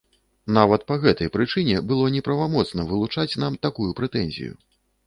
Нават па гэтай прычыне было неправамоцна вылучаць нам такую прэтэнзію.